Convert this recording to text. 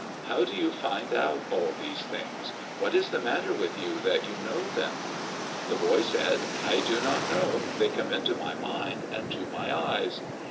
How do you find out all these things? What is the matter with you that you know them?" The boy said, "I do not know. They come into my mind and to my eyes."